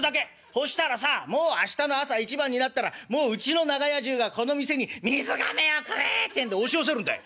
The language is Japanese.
そしたらさもう明日の朝一番になったらもううちの長屋中がこの店に『水がめをくれ』ってんで押し寄せるんだい。